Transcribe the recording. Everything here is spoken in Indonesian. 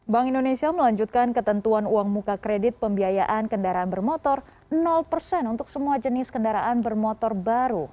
bank indonesia melanjutkan ketentuan uang muka kredit pembiayaan kendaraan bermotor persen untuk semua jenis kendaraan bermotor baru